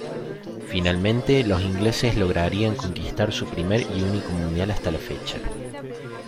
Finalmente, los ingleses lograrían conquistar su primer y único Mundial hasta la fecha.